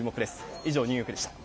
以上、ニューヨークでした。